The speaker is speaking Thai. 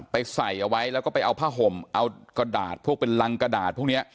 ใส่เอาไว้แล้วก็ไปเอาผ้าห่มเอากระดาษพวกเป็นรังกระดาษพวกนี้